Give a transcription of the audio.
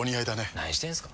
何してんすか。